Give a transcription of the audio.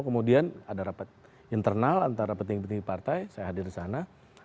kemudian ada rapat internal antara petinggi petinggi partai saya hadir di sana